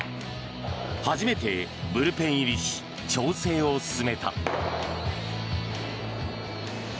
初めてブルペン入りし調整を進めた。